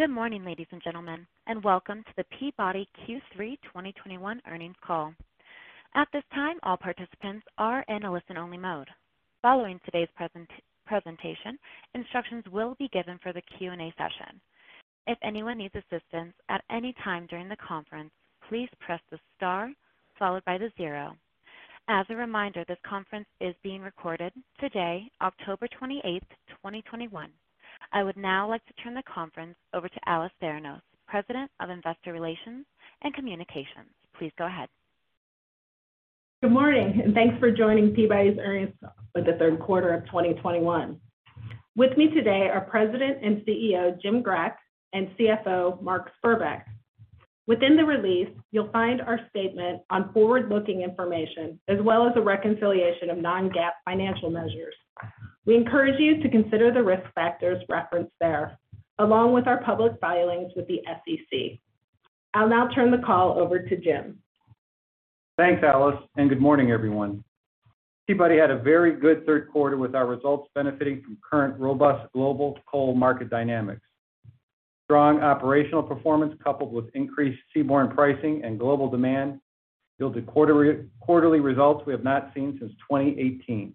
Good morning, ladies and gentlemen, and welcome to the Peabody Q3 2021 earnings call. At this time, all participants are in a listen-only mode. Following today's presentation, instructions will be given for the Q&A session. If anyone needs assistance at any time during the conference, please press the star followed by the zero. As a reminder, this conference is being recorded today, October 28th, 2021. I would now like to turn the conference over to Alice Tharenos, President of Investor Relations and Communications. Please go ahead. Good morning, and thanks for joining Peabody's earnings for the third quarter of 2021. With me today are President and CEO Jim Grech, and CFO Mark Spurbeck. Within the release, you'll find our statement on forward-looking information, as well as a reconciliation of non-GAAP financial measures. We encourage you to consider the risk factors referenced there, along with our public filings with the SEC. I'll now turn the call over to Jim. Thanks, Alice, and good morning, everyone. Peabody had a very good third quarter with our results benefiting from current robust global coal market dynamics. Strong operational performance, coupled with increased seaborne pricing and global demand, yielded quarterly results we have not seen since 2018.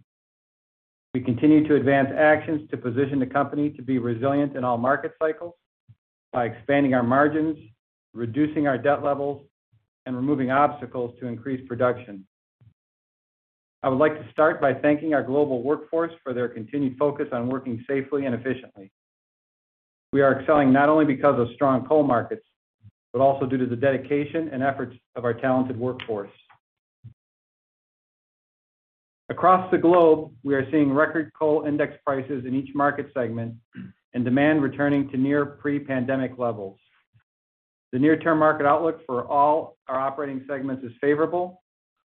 We continue to advance actions to position the company to be resilient in all market cycles by expanding our margins, reducing our debt levels, and removing obstacles to increase production. I would like to start by thanking our global workforce for their continued focus on working safely and efficiently. We are excelling not only because of strong coal markets, but also due to the dedication and efforts of our talented workforce. Across the globe, we are seeing record coal index prices in each market segment and demand returning to near pre-pandemic levels. The near-term market outlook for all our operating segments is favorable,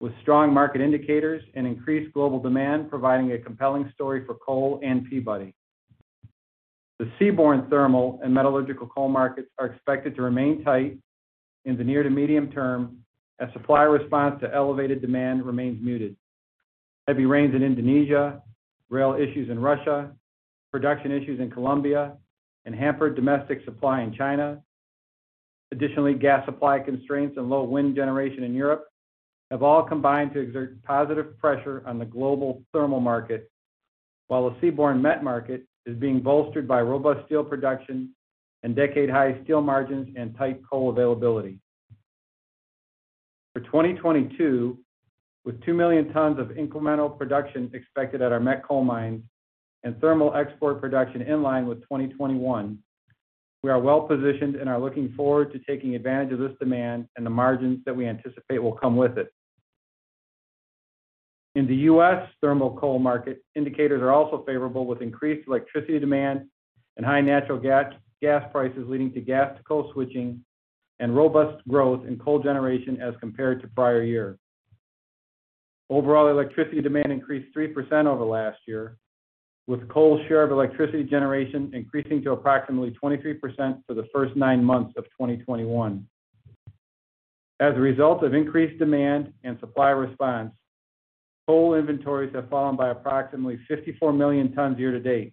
with strong market indicators and increased global demand, providing a compelling story for coal and Peabody. The seaborne thermal and metallurgical coal markets are expected to remain tight in the near to medium-term as supply response to elevated demand remains muted, heavy rains in Indonesia, rail issues in Russia, production issues in Colombia, and hampered domestic supply in China. Additionally, gas supply constraints and low wind generation in Europe have all combined to exert positive pressure on the global thermal market, while a seaborne met market is being bolstered by robust steel production and decade-high steel margins and tight coal availability. For 2022, with 2 million tons of incremental production expected at our met coal mines and thermal export production in line with 2021, we are well-positioned and are looking forward to taking advantage of this demand and the margins that we anticipate will come with it. In the U.S., thermal coal market indicators are also favorable with increased electricity demand and high natural gas prices leading to gas-to-coal switching and robust growth in coal generation as compared to prior year. Overall, electricity demand increased 3% over last year, with coal share of electricity generation increasing to approximately 23% for the first 9 months of 2021. As a result of increased demand and supply response, coal inventories have fallen by approximately 54 million tons year to date,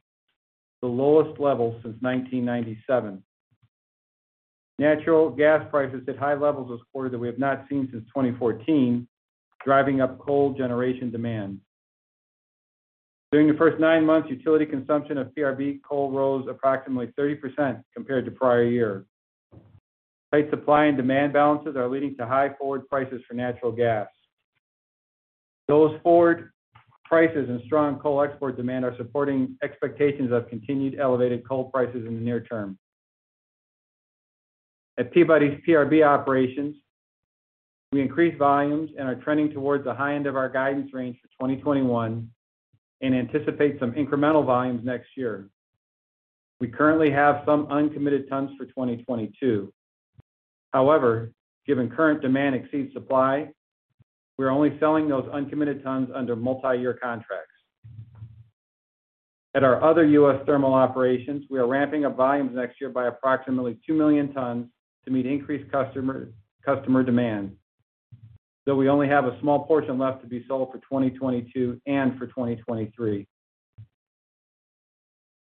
the lowest level since 1997. Natural gas prices at high levels this quarter that we have not seen since 2014, driving up coal generation demand. During the first 9 months, utility consumption of PRB coal rose approximately 30% compared to prior year. Tight supply and demand balances are leading to high forward prices for natural gas. Those forward prices and strong coal export demand are supporting expectations of continued elevated coal prices in the near term. At Peabody's PRB operations, we increased volumes and are trending towards the high end of our guidance range for 2021 and anticipate some incremental volumes next year. We currently have some uncommitted tons for 2022. However, given current demand exceeds supply, we're only selling those uncommitted tons under multi-year contracts. At our other U.S. thermal operations, we are ramping up volumes next year by approximately 2 million tons to meet increased customer demand. Though we only have a small portion left to be sold for 2022 and for 2023.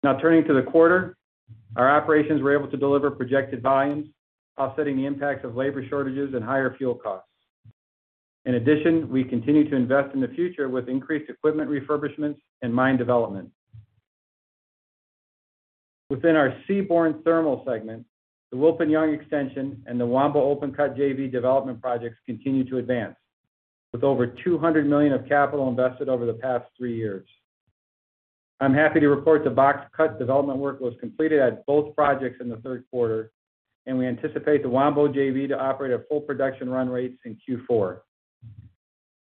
Now turning to the quarter, our operations were able to deliver projected volumes, offsetting the impacts of labor shortages and higher fuel costs. In addition, we continue to invest in the future with increased equipment refurbishments and mine development. Within our seaborne thermal segment, the Wilpinjong extension and the Wambo open cut JV development projects continue to advance with over $200 million of capital invested over the past three years. I'm happy to report the box cut development work was completed at both projects in the third quarter, and we anticipate the Wambo JV to operate at full production run rates in Q4.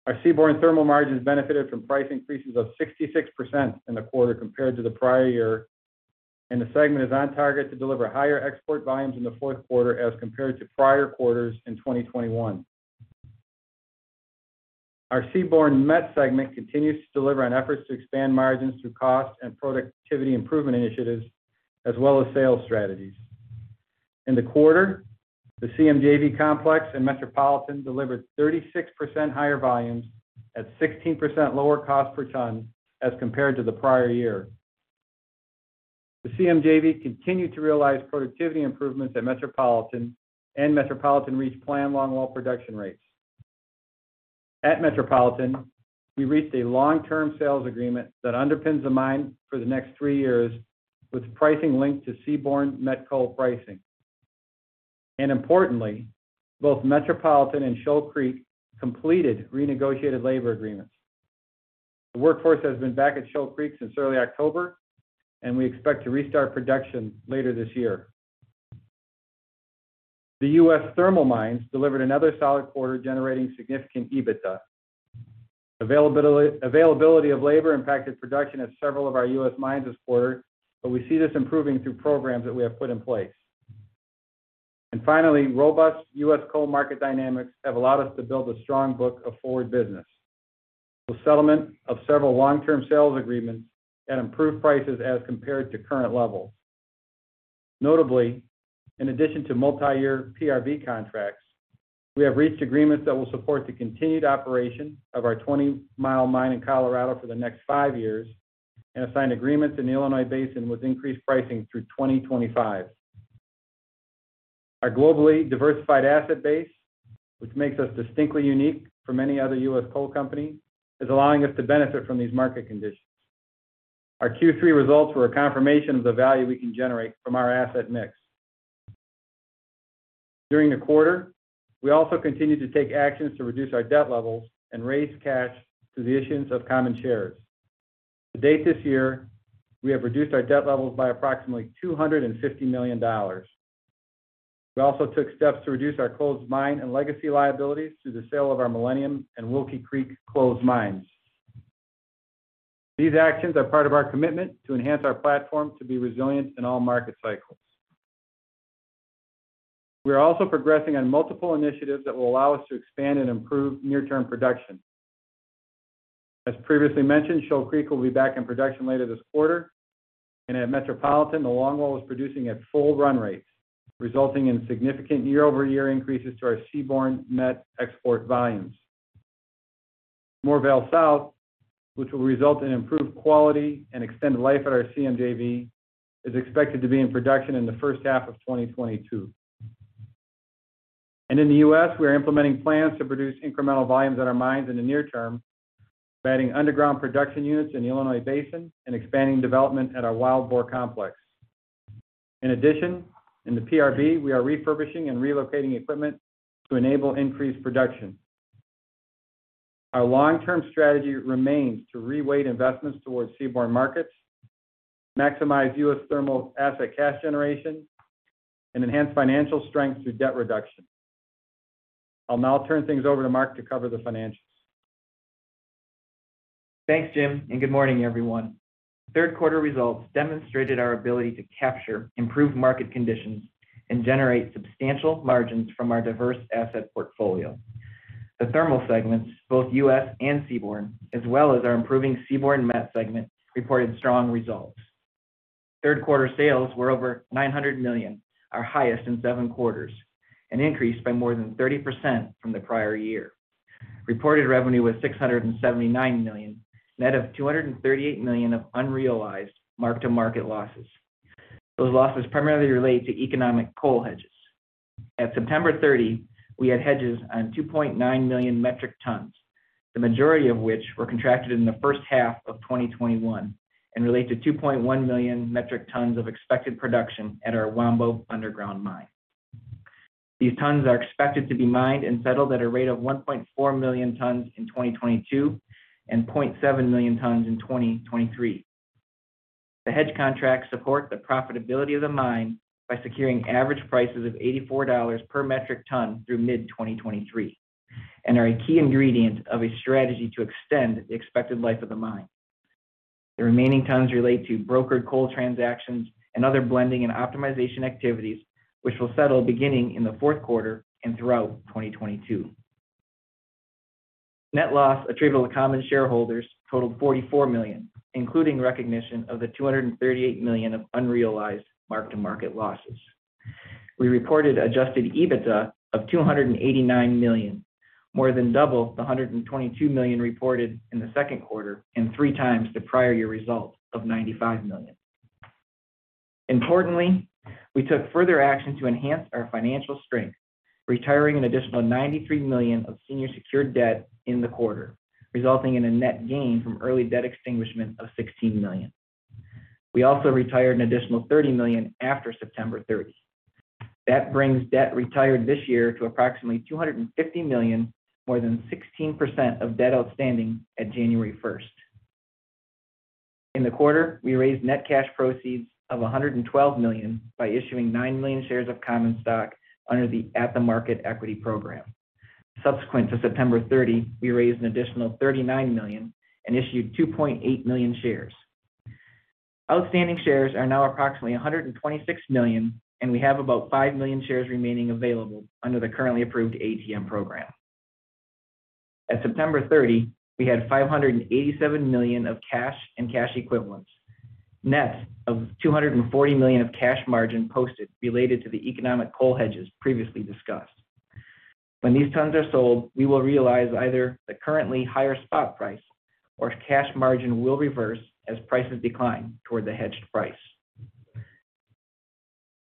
Our seaborne thermal margins benefited from price increases of 66% in the quarter compared to the prior year, and the segment is on target to deliver higher export volumes in the fourth quarter as compared to prior quarters in 2021. Our seaborne met segment continues to deliver on efforts to expand margins through cost and productivity improvement initiatives as well as sales strategies. In the quarter, the CM JV complex in Metropolitan delivered 36% higher volumes at 16% lower cost per ton as compared to the prior year. The CM JV continued to realize productivity improvements at Metropolitan, and Metropolitan reached planned longwall production rates. At Metropolitan, we reached a long-term sales agreement that underpins the mine for the next three years, with pricing linked to seaborne met coal pricing. Importantly, both Metropolitan and Shoal Creek completed renegotiated labor agreements. The workforce has been back at Shoal Creek since early October, and we expect to restart production later this year. The U.S. thermal mines delivered another solid quarter, generating significant EBITDA. Availability of labor impacted production at several of our U.S. mines this quarter, but we see this improving through programs that we have put in place. Finally, robust U.S. coal market dynamics have allowed us to build a strong book of forward business, the settlement of several long-term sales agreements at improved prices as compared to current levels. Notably, in addition to multi-year PRB contracts, we have reached agreements that will support the continued operation of our Twentymile Mine in Colorado for the next five years, and have signed agreements in the Illinois Basin with increased pricing through 2025. Our globally diversified asset base, which makes us distinctly unique from many other U.S. coal companies, is allowing us to benefit from these market conditions. Our Q3 results were a confirmation of the value we can generate from our asset mix. During the quarter, we also continued to take actions to reduce our debt levels and raise cash through the issuance of common shares. To date this year, we have reduced our debt levels by approximately $250 million. We also took steps to reduce our closed mine and legacy liabilities through the sale of our Millennium and Wilkie Creek closed mines. These actions are part of our commitment to enhance our platform to be resilient in all market cycles. We are also progressing on multiple initiatives that will allow us to expand and improve near-term production. As previously mentioned, Shoal Creek will be back in production later this quarter. At Metropolitan, the longwall is producing at full run rate, resulting in significant year-over-year increases to our seaborne met export volumes. Moorvale South, which will result in improved quality and extended life at our CMJV, is expected to be in production in the first half of 2022. In the U.S., we are implementing plans to produce incremental volumes at our mines in the near term by adding underground production units in the Illinois Basin and expanding development at our Wild Boar complex. In addition, in the PRB, we are refurbishing and relocating equipment to enable increased production. Our long-term strategy remains to reweight investments towards seaborne markets, maximize U.S. thermal asset cash generation, and enhance financial strength through debt reduction. I'll now turn things over to Mark to cover the financials. Thanks, Jim, and good morning, everyone. Third quarter results demonstrated our ability to capture improved market conditions and generate substantial margins from our diverse asset portfolio. The thermal segments, both U.S. and seaborne, as well as our improving seaborne met segment, reported strong results. Third quarter sales were over $900 million, our highest in seven quarters, an increase by more than 30% from the prior year. Reported revenue was $679 million, net of $238 million of unrealized mark-to-market losses. Those losses primarily relate to economic coal hedges. At September 30, we had hedges on 2.9 million metric tons, the majority of which were contracted in the first half of 2021 and relate to 2.1 million metric tons of expected production at our Wambo underground mine. These tons are expected to be mined and settled at a rate of 1.4 million tons in 2022, and 0.7 million tons in 2023. The hedge contracts support the profitability of the mine by securing average prices of $84 per metric ton through mid-2023 and are a key ingredient of a strategy to extend the expected life of the mine. The remaining tons relate to brokered coal transactions and other blending and optimization activities, which will settle beginning in the fourth quarter and throughout 2022. Net loss attributable to common shareholders totaled $44 million, including recognition of the $238 million of unrealized mark-to-market losses. We reported adjusted EBITDA of $289 million, more than double the $122 million reported in the second quarter, and three times the prior year result of $95 million. Importantly, we took further action to enhance our financial strength, retiring an additional $93 million of senior secured debt in the quarter, resulting in a net gain from early debt extinguishment of $16 million. We also retired an additional $30 million after September 30. That brings debt retired this year to approximately $250 million, more than 16% of debt outstanding at January 1st. In the quarter, we raised net cash proceeds of $112 million by issuing 9 million shares of common stock under the At the Market Equity program. Subsequent to September 30, we raised an additional $39 million and issued 2.8 million shares. Outstanding shares are now approximately 126 million, and we have about 5 million shares remaining available under the currently approved ATM program. At September 30, we had $587 million of cash and cash equivalents, net of $240 million of cash margin posted related to the economic coal hedges previously discussed. When these tons are sold, we will realize either the currently higher spot price or cash margin will reverse as prices decline toward the hedged price.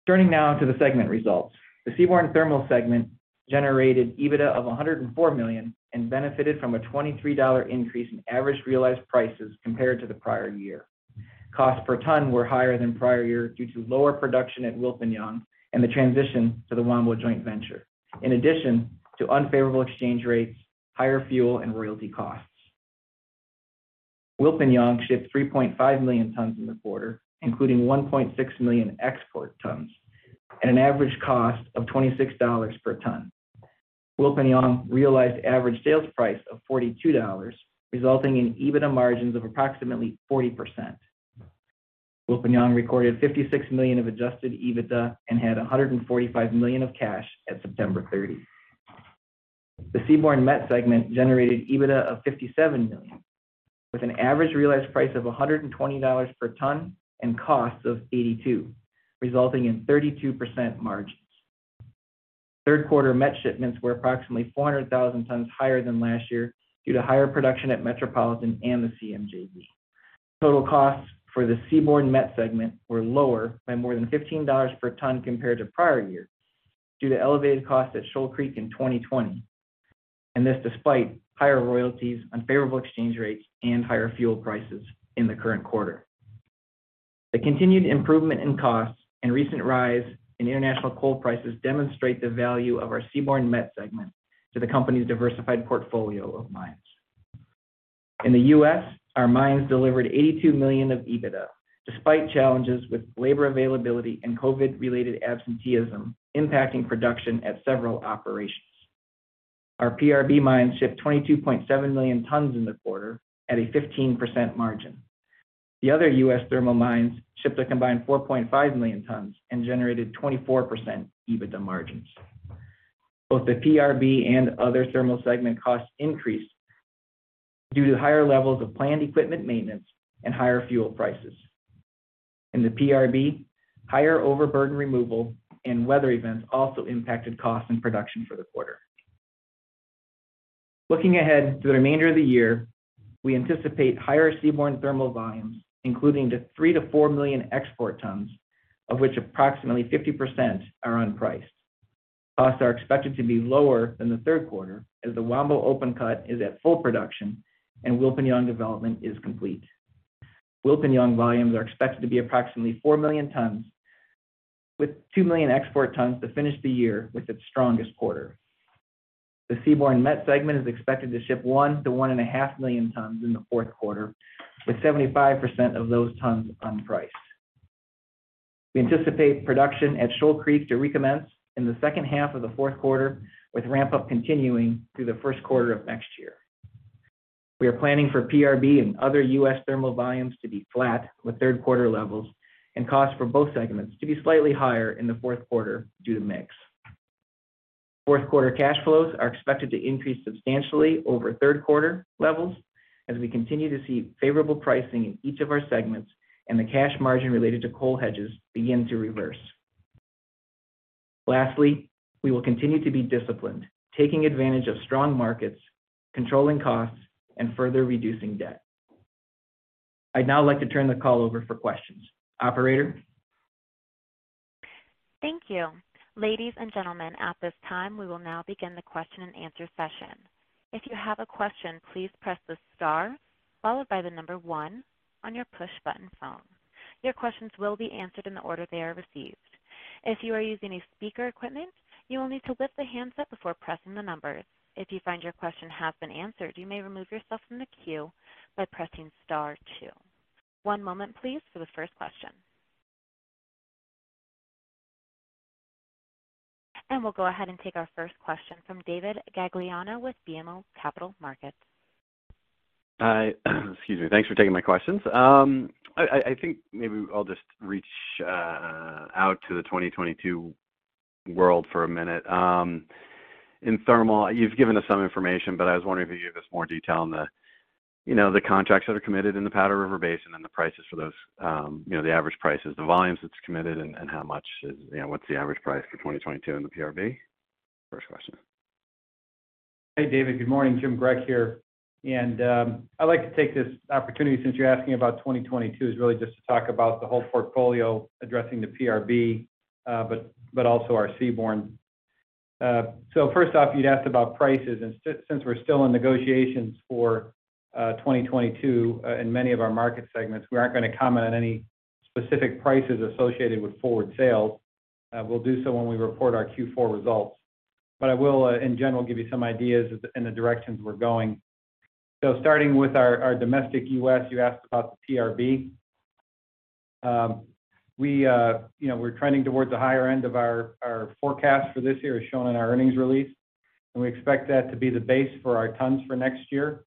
Turning now to the segment results. The Seaborne Thermal segment generated EBITDA of $104 million and benefited from a $23 increase in average realized prices compared to the prior year. Costs per ton were higher than prior year due to lower production at Wilpinjong and the transition to the Wambo joint venture. In addition to unfavorable exchange rates, higher fuel and royalty costs. Wilpinjong shipped 3.5 million tons in the quarter, including 1.6 million export tons at an average cost of $26 per ton. Wilpinjong realized average sales price of $42, resulting in EBITDA margins of approximately 40%. Wilpinjong recorded $56 million of adjusted EBITDA and had $145 million of cash at September 30. The Seaborne Met segment generated EBITDA of $57 million, with an average realized price of $120 per ton and costs of $82, resulting in 32% margins. Third quarter Met shipments were approximately 400,000 tons higher than last year due to higher production at Metropolitan and the CM JV. Total costs for the Seaborne Met segment were lower by more than $15 per ton compared to prior years due to elevated costs at Shoal Creek in 2020, and this despite higher royalties, unfavorable exchange rates, and higher fuel prices in the current quarter. The continued improvement in costs and recent rise in international coal prices demonstrate the value of our Seaborne Met segment to the company's diversified portfolio of mines. In the U.S., our mines delivered $82 million of EBITDA, despite challenges with labor availability and COVID-related absenteeism impacting production at several operations. Our PRB mines shipped 22.7 million tons in the quarter at a 15% margin. The other U.S. thermal mines shipped a combined 4.5 million tons and generated 24% EBITDA margins. Both the PRB and other thermal segment costs increased due to higher levels of planned equipment maintenance and higher fuel prices. In the PRB, higher overburden removal and weather events also impacted costs and production for the quarter. Looking ahead to the remainder of the year, we anticipate higher seaborne thermal volumes, including the 3 million export tons to 4 million export tons, of which approximately 50% are unpriced. Costs are expected to be lower than the third quarter as the Wambo Open Cut is at full production and Wilpinjong development is complete. Wilpinjong volumes are expected to be approximately 4 million tons, with 2 million export tons to finish the year with its strongest quarter. The Seaborne Met segment is expected to ship 1 million export tons to1.5 million tons in the fourth quarter, with 75% of those tons unpriced. We anticipate production at Shoal Creek to recommence in the second half of the fourth quarter, with ramp-up continuing through the first quarter of next year. We are planning for PRB and other U.S. thermal volumes to be flat with third quarter levels and costs for both segments to be slightly higher in the fourth quarter due to mix. Fourth quarter cash flows are expected to increase substantially over third quarter levels as we continue to see favorable pricing in each of our segments and the cash margin related to coal hedges begin to reverse. Lastly, we will continue to be disciplined, taking advantage of strong markets, controlling costs, and further reducing debt. I'd now like to turn the call over for questions. Operator? Thank you. Ladies and gentlemen, at this time, we will now begin the Q&A session. If you have a question, please press the star followed by the number one on your push-button phone. Your questions will be answered in the order they are received. If you are using a speakerphone, you will need to lift the handset before pressing the numbers. If you find your question has been answered, you may remove yourself from the queue by pressing star two. One moment please for the first question. We'll go ahead and take our first question from David Gagliano with BMO Capital Markets. Hi. Excuse me. Thanks for taking my questions. I think maybe I'll just reach out to the 2022 world for a minute. In thermal, you've given us some information, but I was wondering if you could give us more detail on the, you know, the contracts that are committed in the Powder River Basin and the prices for those, you know, the average prices, the volumes that's committed, and how much is, you know, what's the average price for 2022 in the PRB? First question. Hey, David. Good morning. Jim Grech here. I'd like to take this opportunity, since you're asking about 2022, is really just to talk about the whole portfolio addressing the PRB, but also our seaborne. First off, you'd asked about prices. Since we're still in negotiations for 2022 in many of our market segments, we aren't gonna comment on any specific prices associated with forward sales. We'll do so when we report our Q4 results. I will, in general, give you some ideas in the directions we're going. Starting with our domestic U.S., you asked about the PRB. You know, we're trending towards the higher end of our forecast for this year as shown in our earnings release, and we expect that to be the base for our tons for next year,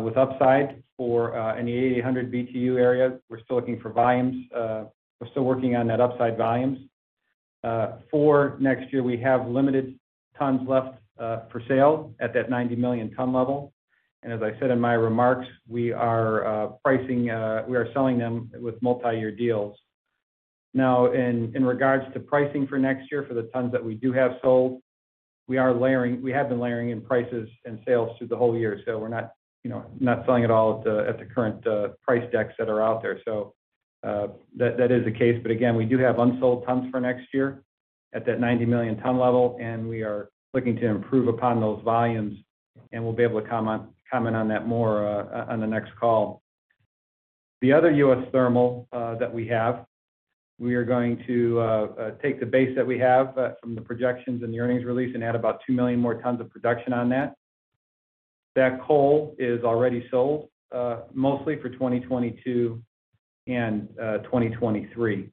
with upside in the 8,800 BTU area. We're still looking for volumes. We're still working on that upside volumes. For next year, we have limited tons left for sale at that 90 million ton level. As I said in my remarks, we are selling them with multi-year deals. Now in regards to pricing for next year, for the tons that we do have sold, we have been layering in prices and sales through the whole year. We're not, you know, not selling at all at the current price decks that are out there. That is the case. Again, we do have unsold tons for next year at that 90 million ton level, and we are looking to improve upon those volumes, and we'll be able to comment on that more on the next call. The other U.S. thermal that we have, we are going to take the base that we have from the projections and the earnings release and add about 2 million more tons of production on that. That coal is already sold, mostly for 2022 and 2023.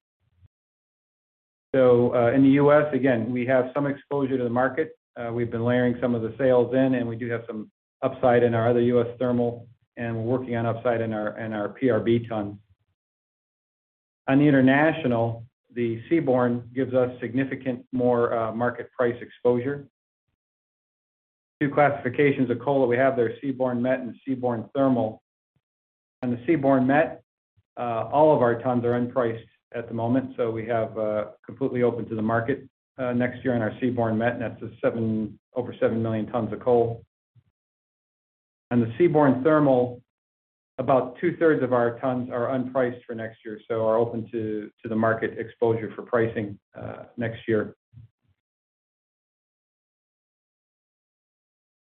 In the U.S., again, we have some exposure to the market. We've been layering some of the sales in, and we do have some upside in our other U.S. thermal, and we're working on upside in our PRB ton. On the international, the seaborne gives us significant more market price exposure. Two classifications of coal that we have there are seaborne met and seaborne thermal. On the seaborne met, all of our tons are unpriced at the moment, so we have completely open to the market next year on our seaborne met, and that's over 7 million tons of coal. On the seaborne thermal, about two-thirds of our tons are unpriced for next year, so are open to the market exposure for pricing next year.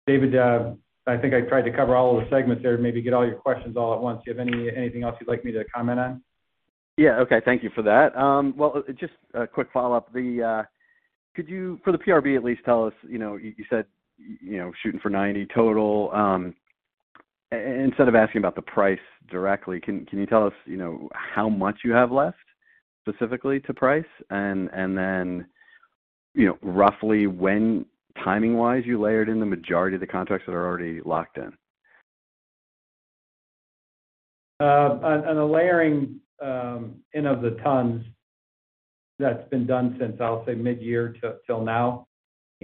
David, I think I tried to cover all of the segments there, maybe get all your questions all at once. Do you have anything else you'd like me to comment on? Yeah. Okay. Thank you for that. Well, just a quick follow-up. Could you, for the PRB at least tell us, you know, you said, you know, shooting for 90 total. Instead of asking about the price directly, can you tell us, you know, how much you have left specifically to price? And then, you know, roughly when timing-wise you layered in the majority of the contracts that are already locked in? On the layering in of the tons, that's been done since, I'll say mid-year to till now.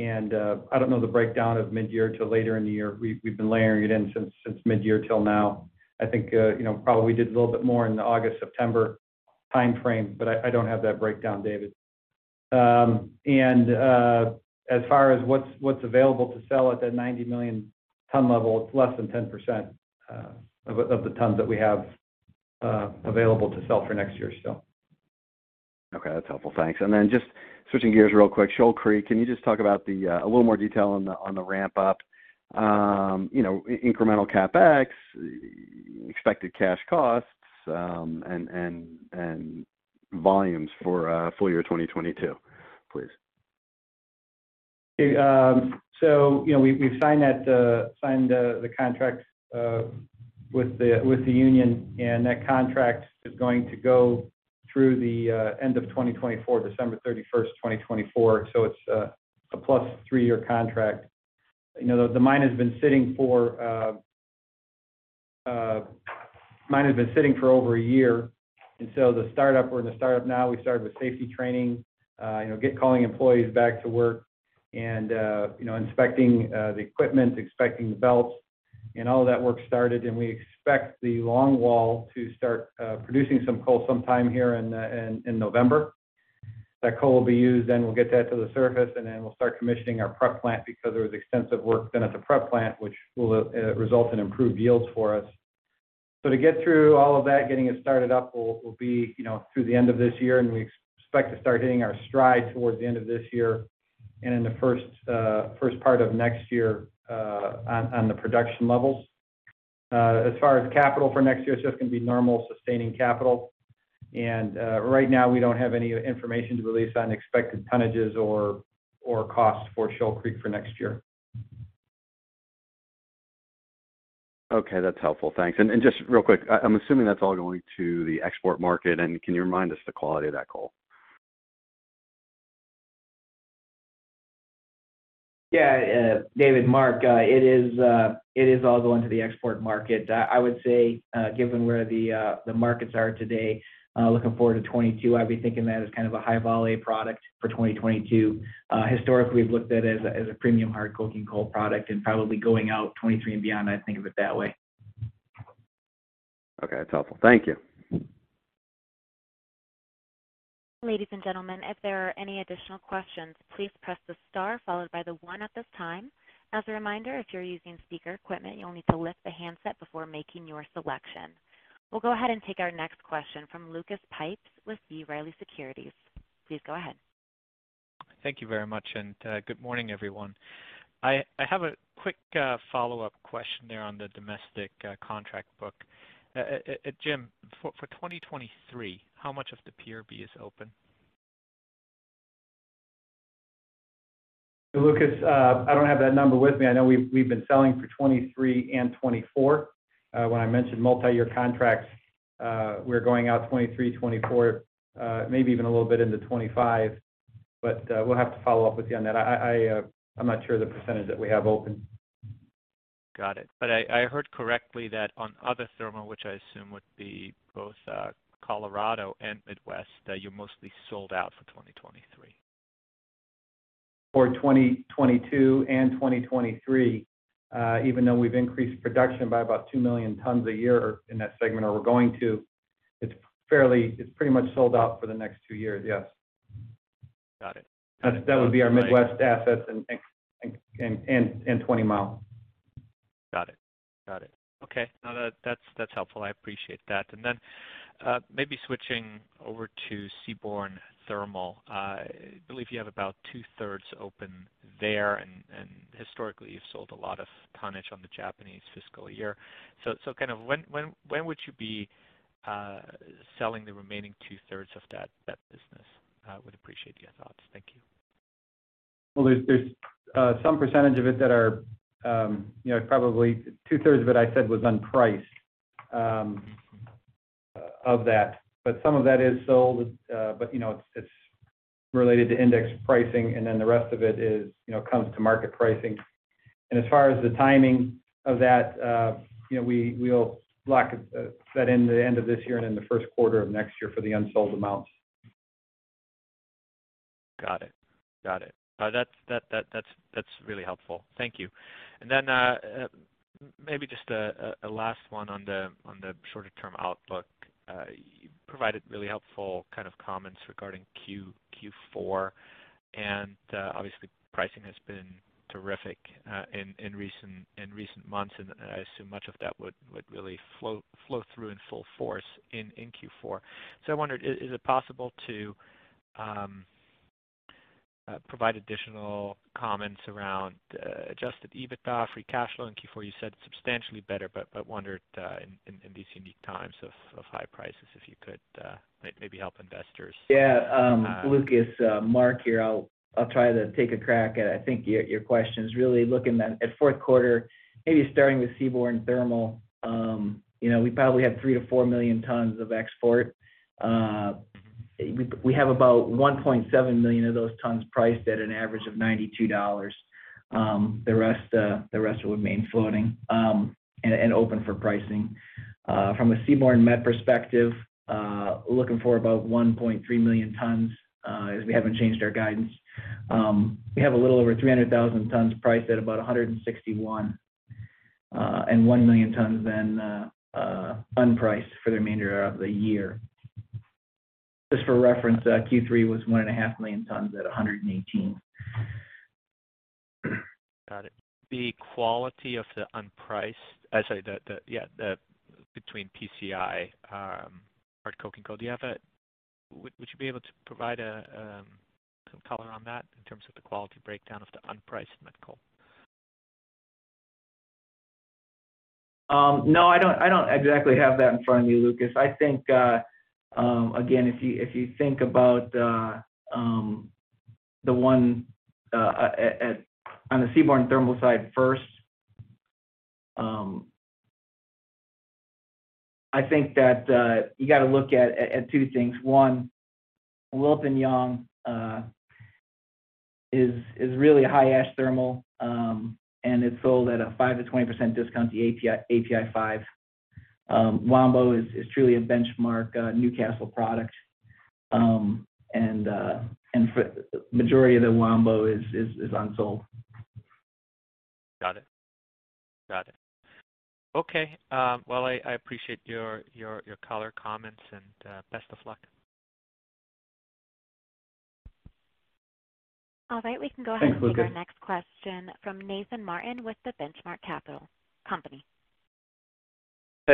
I don't know the breakdown of mid-year till later in the year. We've been layering it in since mid-year till now. I think you know, probably we did a little bit more in the August-September timeframe, but I don't have that breakdown, David. As far as what's available to sell at that 90 million ton level, it's less than 10% of the tons that we have available to sell for next year still. Okay. That's helpful. Thanks. Then just switching gears real quick, Shoal Creek, can you just talk about a little more detail on the ramp up, you know, incremental CapEx, expected cash costs, and volumes for full year 2022, please? Okay. So, you know, we've signed that contract with the union, and that contract is going to go through the end of 2024, December 31st, 2024. It's a plus three-year contract. You know, the mine has been sitting for over a year. The startup, we're in the startup now. We started with safety training, you know, calling employees back to work and, you know, inspecting the equipment, inspecting the belts and all of that work started. We expect the longwall to start producing some coal sometime here in November. That coal will be used, then we'll get that to the surface, and then we'll start commissioning our prep plant because there was extensive work done at the prep plant, which will result in improved yields for us. To get through all of that, getting it started up will be, you know, through the end of this year, and we expect to start hitting our stride towards the end of this year and in the first part of next year on the production levels. As far as capital for next year, it's just gonna be normal sustaining capital. Right now, we don't have any information to release on expected tonnages or costs for Shoal Creek for next year. Okay. That's helpful. Thanks. Just real quick, I'm assuming that's all going to the export market. Can you remind us the quality of that coal? Yeah, David, Mark, it is all going to the export market. I would say, given where the markets are today, looking forward to 2022, I'd be thinking that as kind of a High Vol A product for 2022. Historically, we've looked at it as a premium hard coking coal product and probably going out 2023 and beyond, I think of it that way. Okay. That's helpful. Thank you. Ladies and gentlemen, if there are any additional questions, please press the star followed by the one at this time. As a reminder, if you're using speaker equipment, you'll need to lift the handset before making your selection. We'll go ahead and take our next question from Lucas Pipes with B. Riley Securities. Please go ahead. Thank you very much, and good morning, everyone. I have a quick follow-up question there on the domestic contract book. Jim, for 2023, how much of the PRB is open? Lucas, I don't have that number with me. I know we've been selling for 2023 and 2024. When I mentioned multi-year contracts, we're going out 2023, 2024, maybe even a little bit into 2025, but we'll have to follow up with you on that. I'm not sure of the percentage that we have open. Got it. I heard correctly that on other thermal, which I assume would be both Colorado and Midwest, that you're mostly sold out for 2023. For 2022 and 2023, even though we've increased production by about 2 million tons a year in that segment or we're going to, it's pretty much sold out for the next two years. Yes. Got it. That would be our Midwest assets and Twentymile. Got it. Okay. No, that's helpful. I appreciate that. Then, maybe switching over to seaborne thermal. I believe you have about two-thirds open there, and historically, you've sold a lot of tonnage on the Japanese fiscal year. Kind of when would you be selling the remaining two-thirds of that business? I would appreciate your thoughts. Thank you. Well, there's some percentage of it that are, you know, probably two-thirds of it I said was unpriced, of that. But some of that is sold, but, you know, it's related to index pricing, and then the rest of it is, you know, committed to market pricing. As far as the timing of that, you know, we'll lock that in the end of this year and in the first quarter of next year for the unsold amounts. Got it. That's really helpful. Thank you. Maybe just a last one on the shorter term outlook. You provided really helpful kind of comments regarding Q4. Obviously pricing has been terrific in recent months, and I assume much of that would really flow through in full force in Q4. I wondered, is it possible to provide additional comments around adjusted EBITDA, free cash flow in Q4? You said substantially better, but I wondered in these unique times of high prices, if you could maybe help investors. Lucas, Mark here. I'll try to take a crack at it. I think your question is really looking at fourth quarter, maybe starting with seaborne thermal. You know, we probably have 3 million tons to4 million tons of export. We have about 1.7 million of those tons priced at an average of $92. The rest will remain floating and open for pricing. From a seaborne met perspective, looking for about 1.3 million tons, as we haven't changed our guidance. We have a little over 300,000 tons priced at about $161, and 1 million tons then unpriced for the remainder of the year. Just for reference, Q3 was 1.5 million tons at $118. Got it. The quality between PCI, hard coking coal. Would you be able to provide some color on that in terms of the quality breakdown of the unpriced met coal? No, I don't exactly have that in front of me, Lucas. I think again, if you think about the one on the seaborne thermal side first, I think that you got to look at two things. One, Wilpinjong is really a high ash thermal, and it's sold at a 5%-20% discount to API 5. Wambo is truly a benchmark Newcastle product. And for the majority of the Wambo is unsold. Got it. Okay. Well, I appreciate your color comments, and best of luck. All right. We can go ahead. Thanks, Lucas. Take our next question from Nathan Martin with The Benchmark Company.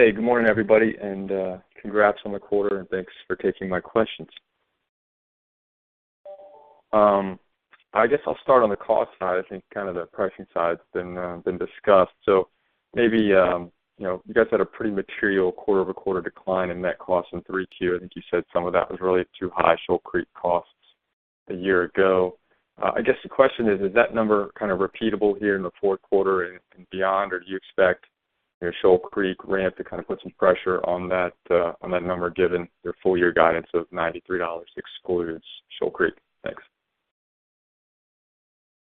Hey, good morning, everybody, and congrats on the quarter, and thanks for taking my questions. I guess I'll start on the cost side. I think kind of the pricing side's been been discussed. Maybe, you know, you guys had a pretty material quarter-over-quarter decline in net costs in Q3. I think you said some of that was really due to high Shoal Creek costs a year ago. I guess the question is that number kind of repeatable here in the fourth quarter and beyond? Or do you expect your Shoal Creek ramp to kind of put some pressure on that number, given your full year guidance of $93 excludes Shoal Creek? Thanks.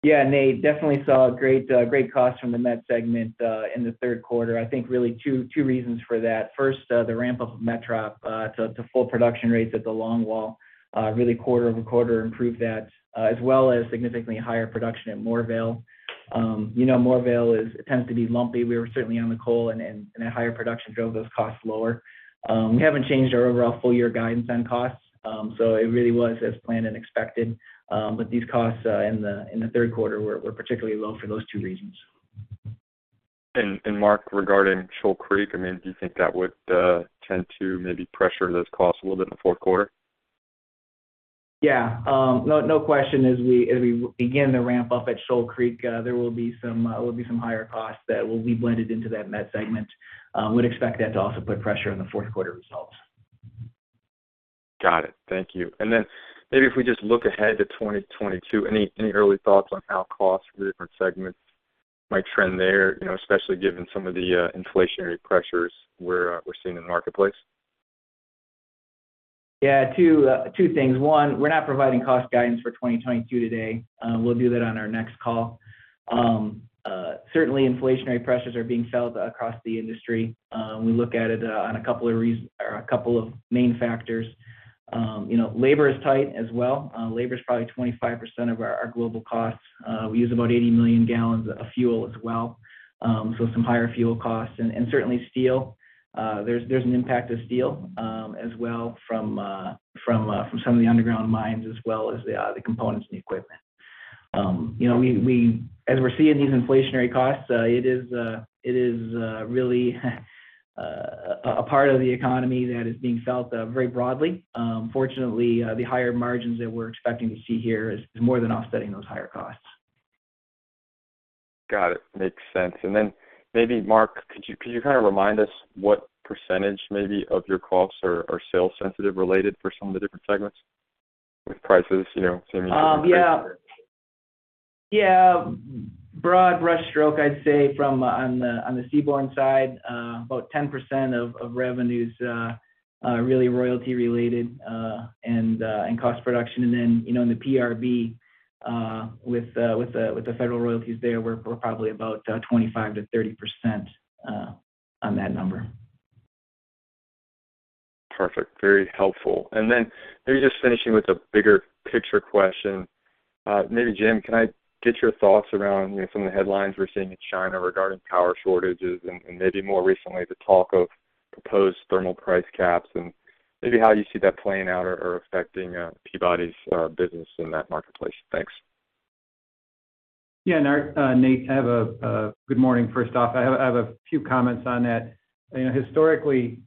Yeah. Nate, definitely saw great cost from the met segment in the third quarter. I think really two reasons for that. First, the ramp-up of Metropolitan to full production rates at the longwall really quarter-over-quarter improved that, as well as significantly higher production at Moorvale. You know, Moorvale is it tends to be lumpy. We were certainly on the low end and a higher production drove those costs lower. We haven't changed our overall full-year guidance on costs. It really was as planned and expected. These costs in the third quarter were particularly low for those two reasons. Mark, regarding Shoal Creek, I mean, do you think that would tend to maybe pressure those costs a little bit in the fourth quarter? Yeah. No question. As we begin to ramp up at Shoal Creek, there will be some higher costs that will be blended into that met segment. Would expect that to also put pressure on the fourth quarter results. Got it. Thank you. Maybe if we just look ahead to 2022, any early thoughts on how costs for the different segments might trend there? You know, especially given some of the inflationary pressures we're seeing in the marketplace. Yeah, two things. One, we're not providing cost guidance for 2022 today. We'll do that on our next call. Certainly inflationary pressures are being felt across the industry. We look at it on a couple of main factors. You know, labor is tight as well. Labor is probably 25% of our global costs. We use about 80 million gallons of fuel as well, so some higher fuel costs. Certainly steel. There's an impact to steel as well from some of the underground mines as well as the components and the equipment. You know, as we're seeing these inflationary costs, it is really a part of the economy that is being felt very broadly. Fortunately, the higher margins that we're expecting to see here is more than offsetting those higher costs. Got it. Makes sense. Maybe Mark, could you kind of remind us what percentage maybe of your costs are sales sensitive related for some of the different segments with prices, you know, seemingly. Yeah. Broad brush stroke, I'd say from the seaborne side, about 10% of revenue is really royalty related and cost production. You know, in the PRB, with the federal royalties there, we're probably about 25%-30% on that number. Perfect. Very helpful. Then maybe just finishing with a bigger picture question. Maybe Jim, can I get your thoughts around, you know, some of the headlines we're seeing in China regarding power shortages and maybe more recently, the talk of proposed thermal price caps and maybe how you see that playing out or affecting Peabody's business in that marketplace? Thanks. Nate, good morning, first off. I have a few comments on that. You know, historically,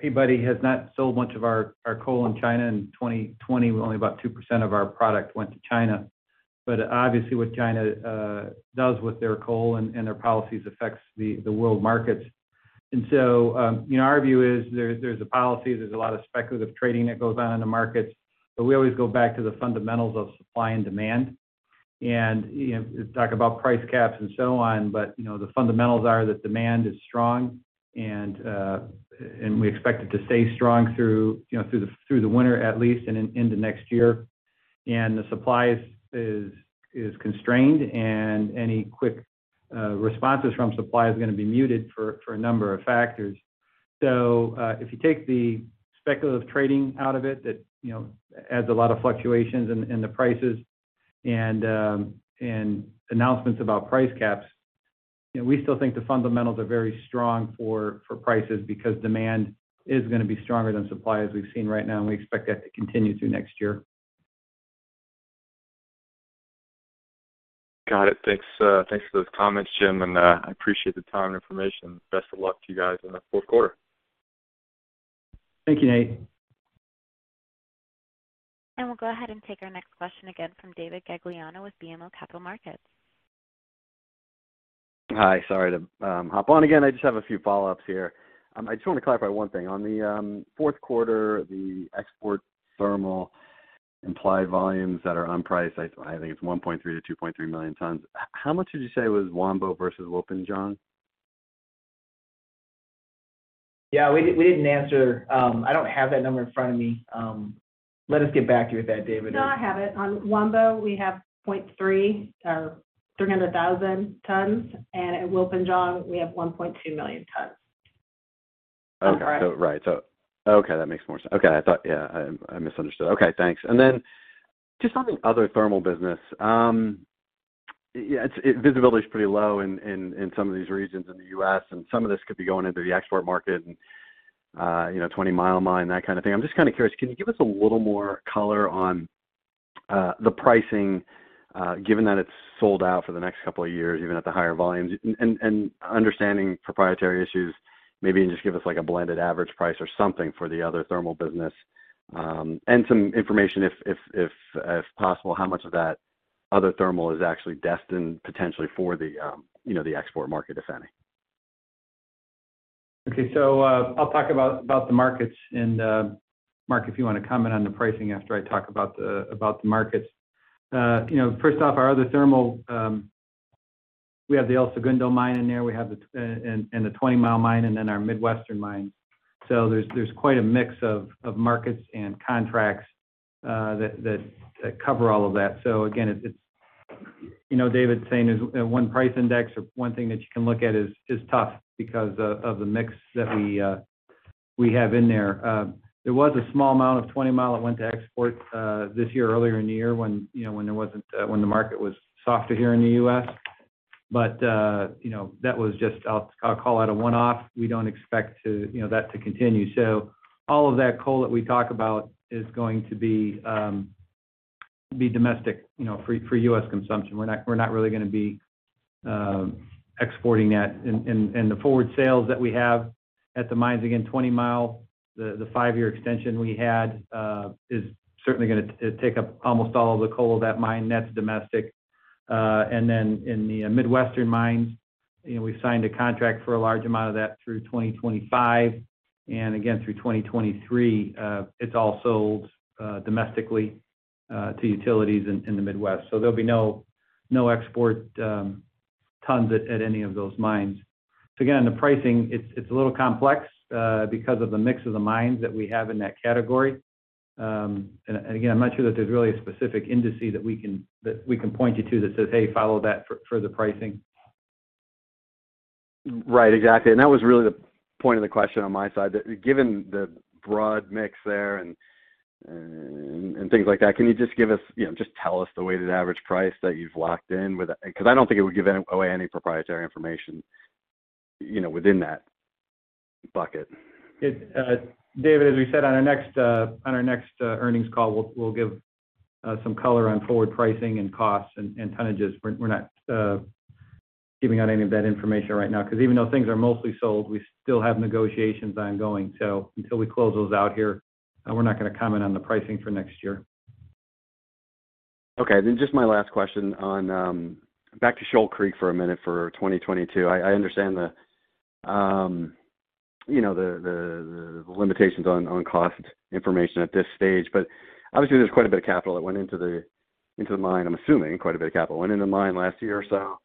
Peabody has not sold much of our coal in China. In 2020, only about 2% of our product went to China. Obviously what China does with their coal and their policies affects the world markets. You know, our view is there's a policy, there's a lot of speculative trading that goes on in the markets, but we always go back to the fundamentals of supply and demand. You know, talk about price caps and so on. You know, the fundamentals are that demand is strong and we expect it to stay strong through, you know, through the winter at least and into next year. The supply is constrained and any quick responses from supply is gonna be muted for a number of factors. If you take the speculative trading out of it, that you know adds a lot of fluctuations in the prices and announcements about price caps, you know, we still think the fundamentals are very strong for prices because demand is gonna be stronger than supply as we've seen right now, and we expect that to continue through next year. Got it. Thanks. Thanks for those comments, Jim, and I appreciate the time and information. Best of luck to you guys in the fourth quarter. Thank you, Nate. We'll go ahead and take our next question again from David Gagliano with BMO Capital Markets. Hi. Sorry to hop on again. I just have a few follow-ups here. I just want to clarify one thing. On the fourth quarter, the export thermal implied volumes that are on price, I think it's 1.3 million tonsto 2.3 million tons. How much did you say was Wambo versus Wilpinjong? Yeah, we didn't answer. I don't have that number in front of me. Let us get back to you with that, David. No, I have it. On Wambo, we have 0.3 of 300,000 tons, and at Wilpinjong, we have 1.2 million tons. Okay. I'm sorry. Right. Okay, that makes more sense. Okay. I thought, yeah, I misunderstood. Okay, thanks. Then just on the other thermal business, yeah, it's visibility is pretty low in some of these regions in the U.S., and some of this could be going into the export market and, you know, Twentymile Mine, that kind of thing. I'm just kind of curious, can you give us a little more color on the pricing, given that it's sold out for the next couple of years, even at the higher volumes? Understanding proprietary issues, maybe you can just give us like a blended average price or something for the other thermal business. Some information if possible, how much of that other thermal is actually destined potentially for the, you know, the export market, if any? Okay. I'll talk about the markets and, Mark, if you want to comment on the pricing after I talk about the markets. You know, first off, our other thermal, we have the El Segundo mine in there. We have the Twentymile Mine and then our Midwestern mines. There's quite a mix of markets and contracts that cover all of that. Again, it's you know, David, saying there's one price index or one thing that you can look at is tough because of the mix that we have in there. There was a small amount of Twentymile that went to export this year, earlier in the year when the market was softer here in the U.S. You know, that was just. I'll call it a one-off. We don't expect to, you know, that to continue. All of that coal that we talk about is going to be domestic, you know, for U.S. consumption. We're not really gonna be exporting that. The forward sales that we have at the mines, again, Twentymile, the five-year extension we had is certainly going to take up almost all of the coal at that mine. That's domestic. Then in the Midwestern mines, you know, we've signed a contract for a large amount of that through 2025. Again, through 2023, it's all sold domestically to utilities in the Midwest. There'll be no export tons at any of those mines. Again, the pricing, it's a little complex because of the mix of the mines that we have in that category. Again, I'm not sure that there's really a specific indices that we can point you to that says, "Hey, follow that for the pricing. Right, exactly. That was really the point of the question on my side. That given the broad mix there and things like that, can you just give us, you know, just tell us the weighted average price that you've locked in with. Because I don't think it would give away any proprietary information, you know, within that bucket. David, as we said, on our next earnings call, we'll give some color on forward pricing and costs and tonnages. We're not giving out any of that information right now because even though things are mostly sold, we still have negotiations ongoing. Until we close those out here, we're not gonna comment on the pricing for next year. Okay. Just my last question on back to Shoal Creek for a minute for 2022. I understand the you know, the limitations on cost information at this stage. Obviously, there's quite a bit of capital that went into the mine. I'm assuming quite a bit of capital went into the mine last year or so.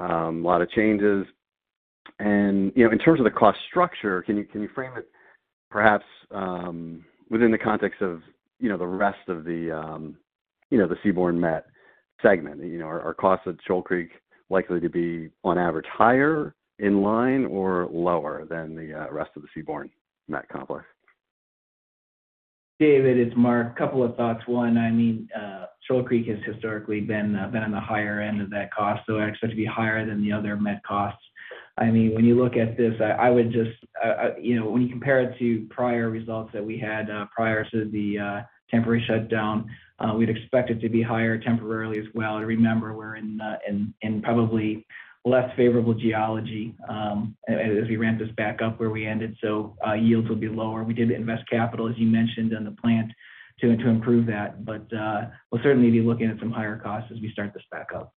A lot of changes. You know, in terms of the cost structure, can you frame it perhaps within the context of you know, the rest of the you know, the seaborne met segment? You know, are costs at Shoal Creek likely to be on average higher in line or lower than the rest of the seaborne met complex? David, it's Mark. Couple of thoughts. One, I mean, Shoal Creek has historically been on the higher end of that cost, so I expect it to be higher than the other met costs. I mean, when you look at this, I would just, you know, when you compare it to prior results that we had, prior to the temporary shutdown, we'd expect it to be higher temporarily as well. Remember, we're in probably less favorable geology, as we ramp this back up where we ended, so yields will be lower. We did invest capital, as you mentioned, in the plant to improve that. We'll certainly be looking at some higher costs as we start this back up.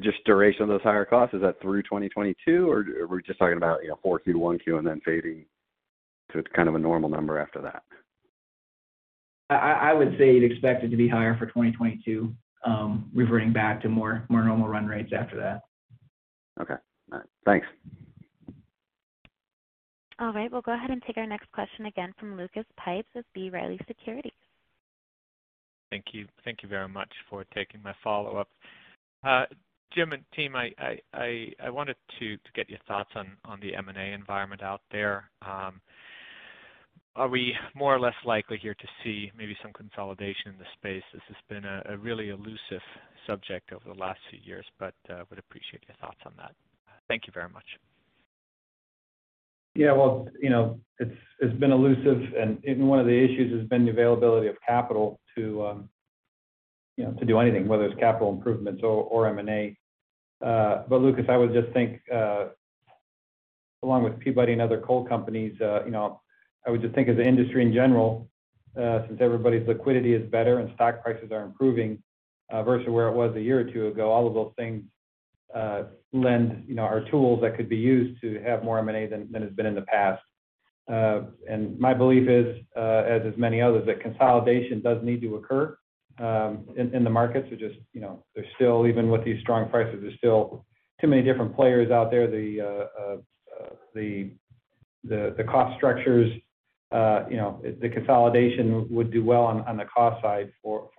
Just duration of those higher costs, is that through 2022, or are we just talking about, you know, Q4 to Q1 and then fading to kind of a normal number after that? I would say you'd expect it to be higher for 2022, reverting back to more normal run rates after that. Okay. All right. Thanks. All right. We'll go ahead and take our next question again from Lucas Pipes with B. Riley Securities. Thank you. Thank you very much for taking my follow-up. Jim and team, I wanted to get your thoughts on the M&A environment out there. Are we more or less likely here to see maybe some consolidation in the space? This has been a really elusive subject over the last few years, but would appreciate your thoughts on that. Thank you very much. Yeah. Well, you know, it's been elusive and one of the issues has been the availability of capital to, you know, to do anything, whether it's capital improvements or M&A. But Lucas, I would just think, along with Peabody and other coal companies, you know, I would just think as an industry in general, since everybody's liquidity is better and stock prices are improving, versus where it was a year or two ago, all of those things lend, you know, are tools that could be used to have more M&A than has been in the past. My belief is, as is many others, that consolidation does need to occur, in the markets. Just, you know, there's still even with these strong prices, there's still too many different players out there. The cost structures, you know, the consolidation would do well on the cost side for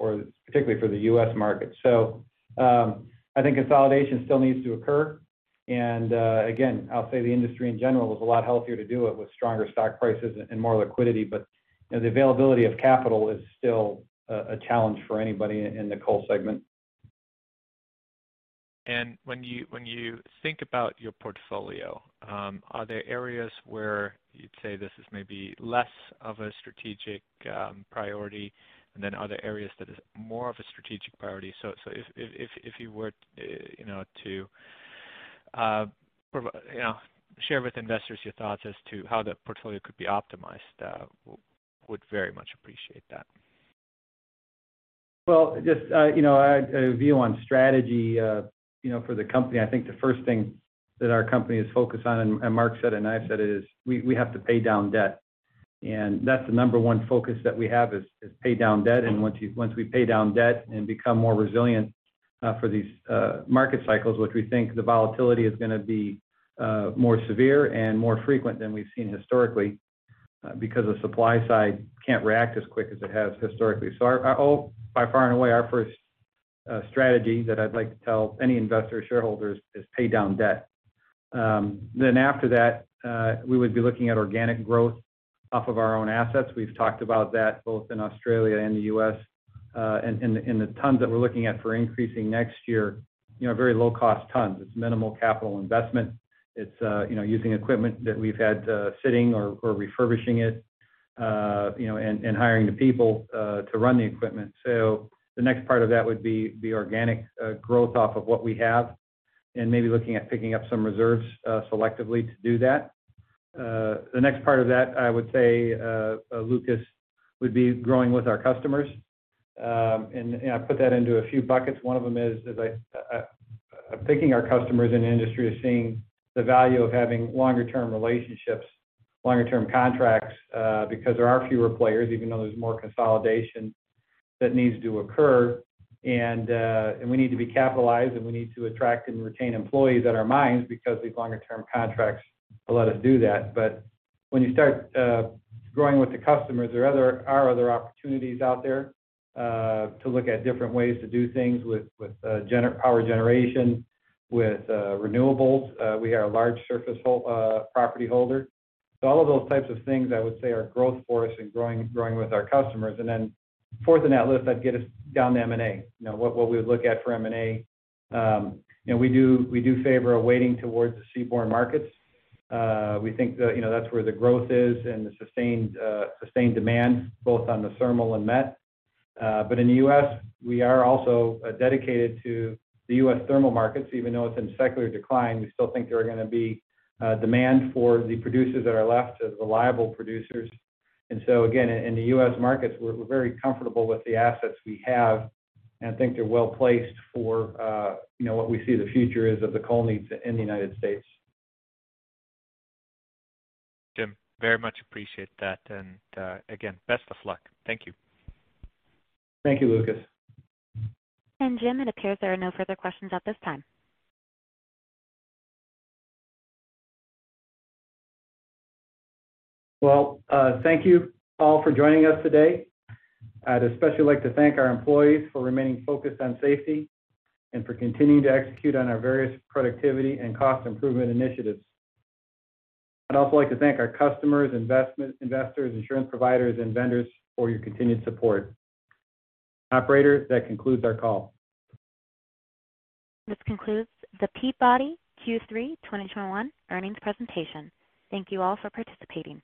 particularly for the U.S. market. I think consolidation still needs to occur. Again, I'll say the industry in general is a lot healthier to do it with stronger stock prices and more liquidity. You know, the availability of capital is still a challenge for anybody in the coal segment. When you think about your portfolio, are there areas where you'd say this is maybe less of a strategic priority than other areas that is more of a strategic priority? If you were to, you know, share with investors your thoughts as to how the portfolio could be optimized, would very much appreciate that. Well, just, you know, a view on strategy, you know, for the company, I think the first thing that our company is focused on, and Mark said it and I've said it, is we have to pay down debt. That's the number one focus that we have is pay down debt. Once we pay down debt and become more resilient for these market cycles, which we think the volatility is gonna be more severe and more frequent than we've seen historically, because the supply side can't react as quick as it has historically. Our by far and away, our first strategy that I'd like to tell any investor shareholders is pay down debt. After that, we would be looking at organic growth off of our own assets. We've talked about that both in Australia and the U.S. The tons that we're looking at for increasing next year, you know, are very low-cost tons. It's minimal capital investment. It's, you know, using equipment that we've had, sitting or refurbishing it, you know, and hiring the people, to run the equipment. The next part of that would be the organic growth off of what we have and maybe looking at picking up some reserves selectively to do that. The next part of that, I would say, Lucas, would be growing with our customers. I put that into a few buckets. One of them is picking our customers in the industry. The industry is seeing the value of having longer-term relationships, longer-term contracts, because there are fewer players, even though there's more consolidation that needs to occur. We need to be capitalized, and we need to attract and retain employees at our mines, because these longer-term contracts will let us do that. When you start growing with the customers, there are other opportunities out there to look at different ways to do things with power generation, with renewables. We are a large surface property holder. All of those types of things I would say are growth for us and growing with our customers. Then fourth on that list, I'd get us down to M&A. You know, what we would look at for M&A. You know, we do favor a weighting towards the seaborne markets. We think that, you know, that's where the growth is and the sustained demand both on the thermal and met. But in the U.S., we are also dedicated to the U.S. thermal markets. Even though it's in secular decline, we still think there are gonna be demand for the producers that are left as reliable producers. Again, in the U.S. markets, we're very comfortable with the assets we have and think they're well placed for, you know, what we see the future is of the coal needs in the United States. Jim, I very much appreciate that. Again, best of luck. Thank you. Thank you, Lucas. Jim, it appears there are no further questions at this time. Well, thank you all for joining us today. I'd especially like to thank our employees for remaining focused on safety and for continuing to execute on our various productivity and cost improvement initiatives. I'd also like to thank our customers, investors, insurance providers, and vendors for your continued support. Operator, that concludes our call. This concludes the Peabody Q3 2021 earnings presentation. Thank you all for participating.